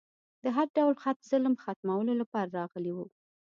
د هر ډول ظلم ختمولو لپاره راغلی و